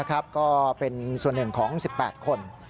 ก็เป็นส่วนหนึ่งของ๑๘คน